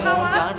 mama jangan ma